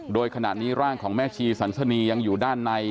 โดยขณะนี้ร่างของแม่ชีสันสนียังอยู่ด้านใน